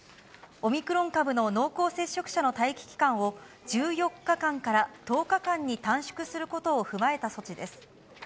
オミクロン株の濃厚接触者の待機期間を１４日間から１０日間に短縮することを踏まえた措置です。